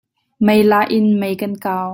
Meilah in mei kan kau.